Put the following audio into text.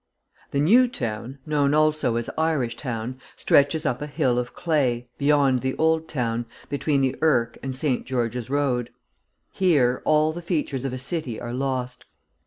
The New Town, known also as Irish Town, stretches up a hill of clay, beyond the Old Town, between the Irk and St. George's Road. Here all the features of a city are lost.